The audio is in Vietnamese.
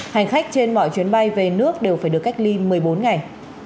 hành khách trên mọi chuyến bay về nước đều phải được cách ly một mươi bốn ngày